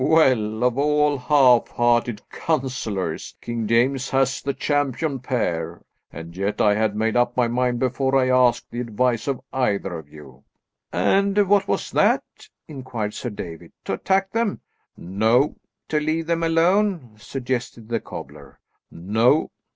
"Well, of all half hearted counsellors, King James has the champion pair; and yet I had made up my mind before I asked the advice of either of you." "And what was that?" inquired Sir David, "to attack them?" "No." "To leave them alone?" suggested the cobbler. "No."